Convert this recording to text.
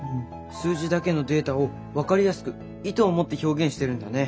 数字だけのデータを分かりやすく意図を持って表現してるんだね。